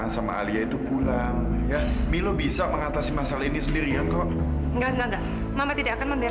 sudara milo silakan keluar